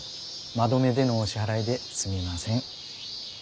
まどめでのお支払いですみません。